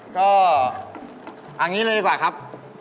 ก็อันนี้เลยดีกว่าครับ